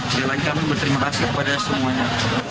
sekali lagi kami berterima kasih kepada semuanya